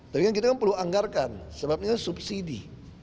tapi kita kan perlu anggarkan sebab ini subsidi